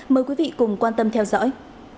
mời quý vị cùng quan tâm theo dõi